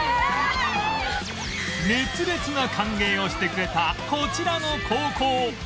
熱烈な歓迎をしてくれたこちらの高校